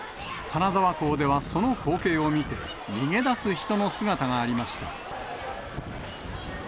金沢港ではその光景を見て、逃げ出す人の姿がありました。